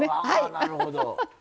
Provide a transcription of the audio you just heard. あなるほど。